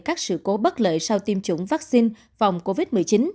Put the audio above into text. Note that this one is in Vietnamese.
các sự cố bất lợi sau tiêm chủng vaccine phòng covid một mươi chín